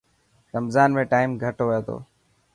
رمضان ۾ ٽائم گهٽ هئي تو.